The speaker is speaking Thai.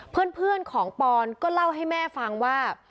เพื่อนของปอนก็เล่าให้แม่ฟังว่า